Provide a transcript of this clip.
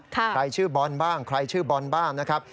ใครชื่อบอลบ้างใครชื่อบอลบ้างนะครับ